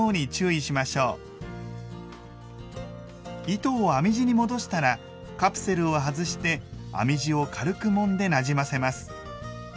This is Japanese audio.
糸を編み地に戻したらカプセルを外して編み地を軽くもんでなじませます。